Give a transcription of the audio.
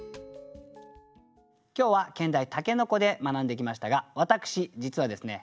今日は兼題「筍」で学んできましたが私実はですね